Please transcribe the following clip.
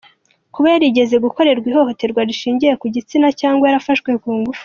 Kuba yarigeze gukorerwa ihohoterwa rishingiye ku gitsina cyangwa yarafashwe ku ngufu.